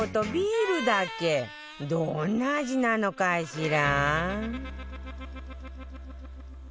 どんな味なのかしら？